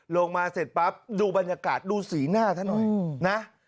ลงมาเสร็จปั๊บดูบรรยากาศดูสีหน้าท่านหน่อยนะ